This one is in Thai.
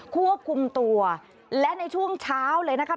ควบคุมตัวและในช่วงเช้าเลยนะครับ